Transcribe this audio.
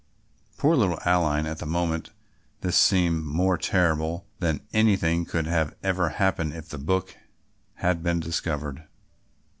Poor little Aline. At the moment this seemed more terrible even than anything that could have happened if the book had been discovered.